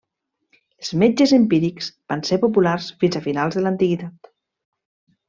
Els metges empírics van ser populars fins a finals de l'antiguitat.